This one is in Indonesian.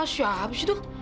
siapa sih itu